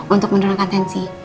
untuk menurunkan tensi